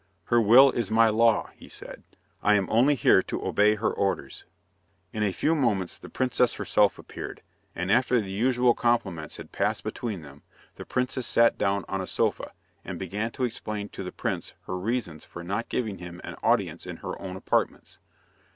"Her will is my law," he said, "I am only here to obey her orders." In a few moments the princess herself appeared, and after the usual compliments had passed between them, the princess sat down on a sofa, and began to explain to the prince her reasons for not giving him an audience in her own apartments.